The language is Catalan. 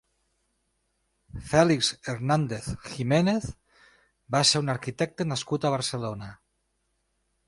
Félix Hernández Giménez va ser un arquitecte nascut a Barcelona.